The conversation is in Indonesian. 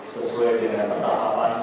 sesuai dengan pentadaban